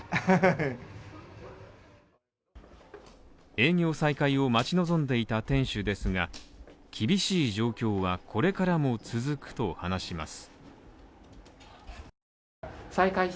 営業再開を待ち望んでいた店主ですが、厳しい状況はこれからも続くと話します。